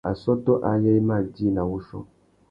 Assôtô ayê i mà djï nà wuchiô.